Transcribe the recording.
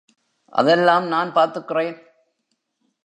அதெல்லாம் நான் பார்த்துக்குறேன்.